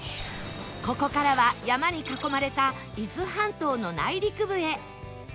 ここからは山に囲まれた伊豆半島の内陸部へ